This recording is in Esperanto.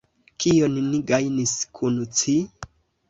Kion ni gajnis kun ci?